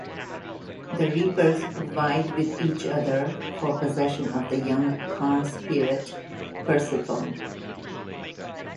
The reapers vied with each other for possession of the young corn spirit Persephone.